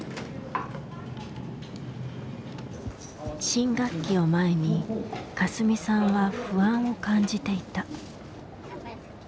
新学期を前にかすみさんは不安を感じていた。